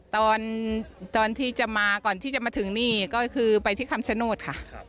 ตอนที่จะมาก่อนที่จะมาถึงนี่ก็คือไปที่คำชโนธค่ะ